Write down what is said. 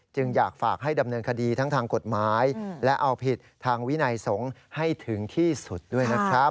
จึงอยากฝากให้ดำเนินคดีทั้งทางกฎหมายและเอาผิดทางวินัยสงฆ์ให้ถึงที่สุดด้วยนะครับ